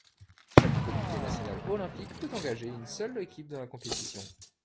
Chaque comité national olympique peut engager une seule équipe dans la compétition.